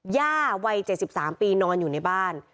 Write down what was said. วัย๗๓ปีนอนอยู่ในบ้าน